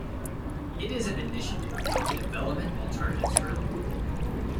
It is an initiative of the Development Alternatives Group.